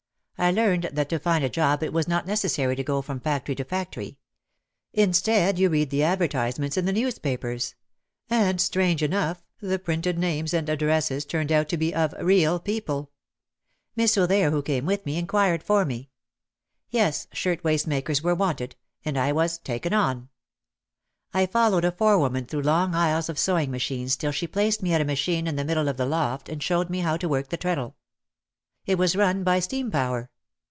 I learned that to find a job it was not necessary to go from factory to factory. Instead you read the advertisements in the newspapers. And strange enough, the printed names and addresses turned out to be of "real people." Miss OThere, who came with me, inquired for me. Yes, shirt waist makers were wanted, and I was "taken on." I followed a forewoman through long aisles of sew ing machines till she placed me at a machine in the middle of the loft and showed me how to work the treadle. It was run by steam power.